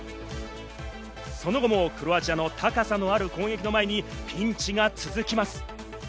その後もクロアチアの高さのある攻撃の前にピンチが続きます。